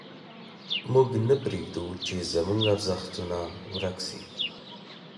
موږ نه پرېږدو چې زموږ ارزښتونه ورک سي.